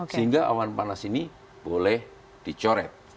sehingga awan panas ini boleh dicoret